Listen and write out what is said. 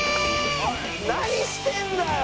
何してんだよ！